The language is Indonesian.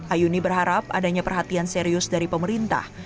ayuni berharap adanya perhatian serius dari pemerintah